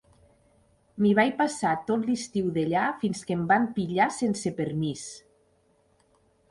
M'hi vaig passar tot l'estiu d'allà fins que em van pillar sense permís.